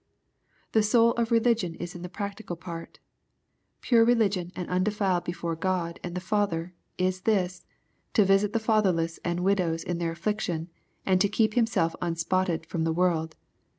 " The soul of religion is the practical part * Pure religion and undefiled before God and the Father, is this, to visit the fatherless and widows in their aflSiction, and to keep himself unspotted from the world.'